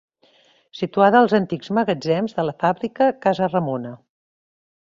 Situada als antics magatzems de la fàbrica Casaramona.